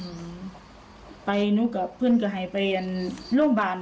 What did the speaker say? ทุ่มก็กลัวนี่น่ะไปนู่นก็เพิ่งก็ให้ไปอันโรงพยาบาล